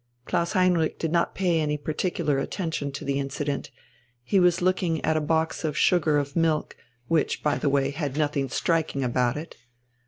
Klaus Heinrich did not pay any particular attention to the incident. He was looking at a box of sugar of milk, which, by the way, had nothing striking about it.